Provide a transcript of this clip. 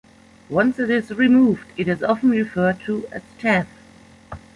Once it is removed it is often referred to as chaff.